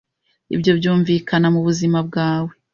Ibyo byumvikana mubuzima bwawe